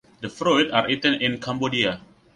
The fruit are eaten in Cambodia.